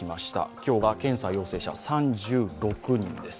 今日が検査陽性者３６人です。